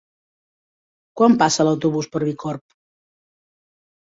Quan passa l'autobús per Bicorb?